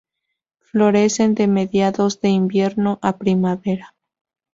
Florecen de mediados de invierno a primavera.